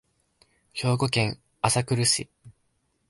兵庫県朝来市